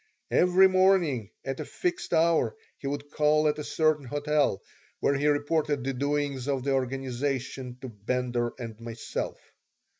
Every morning at a fixed hour he would call at a certain hotel, where he reported the doings of the organization to Bender and myself.